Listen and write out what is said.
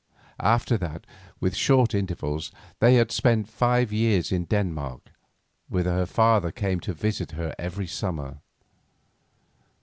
After that, with short intervals, she had spent five years in Denmark, whither her father came to visit her every summer.